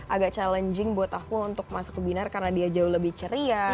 agak challenging buat aku untuk masuk ke binar karena dia jauh lebih ceria